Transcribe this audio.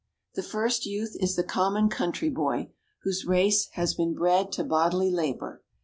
The first youth is the common country boy, whose race has been bred to bodily labor.